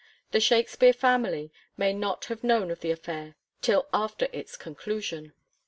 The Shakspere family may not have known of the affair till after its conclusion.